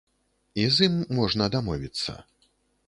І з ім можна дамовіцца.